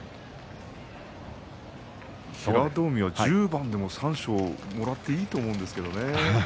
平戸海は１０番で三賞もらっていいと思うんですけどね。